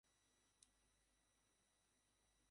তিনি অভিনয়ের প্রতি আগ্রহী হয়ে ওঠেন।